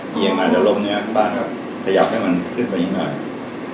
เยี่ยงมาจะลมเนี่ยครับบ้านก็ขยับให้มันขึ้นไปยิ่งหน่อย